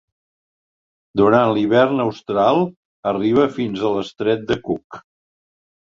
Durant l'hivern austral arriba fins a l'Estret de Cook.